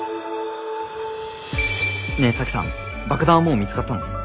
ねえ沙樹さん爆弾はもう見つかったの？